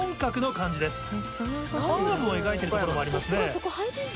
カーブを描いている所もありますね。